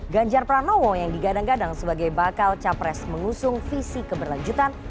ganjar pranowo yang digadang gadang sebagai bakal capres mengusung visi keberlanjutan